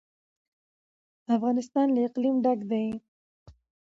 افغانستان له اقلیم ډک دی.